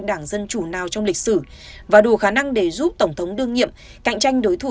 đảng dân chủ nào trong lịch sử và đủ khả năng để giúp tổng thống đương nhiệm cạnh tranh đối thủ